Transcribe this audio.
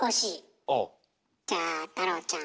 じゃあ太郎ちゃん。